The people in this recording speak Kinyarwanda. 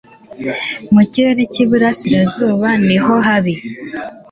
Mu kirere cy'iburasirazuba niho habi